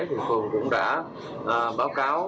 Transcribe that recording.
thì phường cũng đã báo cáo